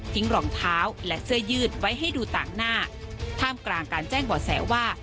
รองเท้าและเสื้อยืดไว้ให้ดูต่างหน้าท่ามกลางการแจ้งบ่อแสว่า